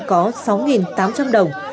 có sáu tám trăm linh đồng